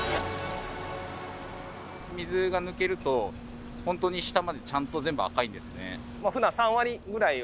水が抜けるとほんとに下までちゃんと全部赤いんですね。